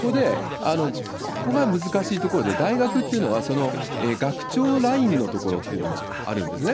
ここが難しいところで、大学っていうのは、学長ラインのところっていうのがあるんですね。